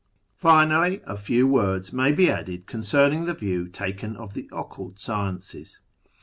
I Finally, a few words may be added concerning the view taken of the occult sciences.